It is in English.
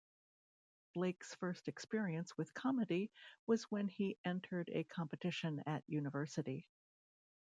Blake's first experience with comedy was when he entered a competition at university.